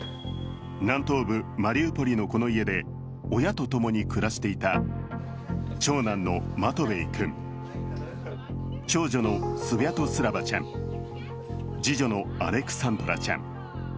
南東部マリウポリのこの家で親と共に暮らしていた長男のマトベイ君長女のスビャトスラバちゃん次女のアレクサンドラちゃん。